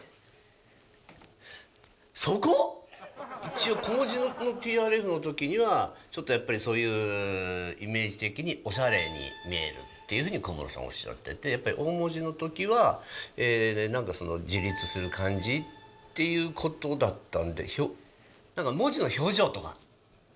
一応小文字のｔｒｆの時にはちょっとやっぱりそういうイメージ的にオシャレに見えるっていうふうに小室さんおっしゃっててやっぱり大文字の時はなんかその自立する感じ？っていうことだったんで。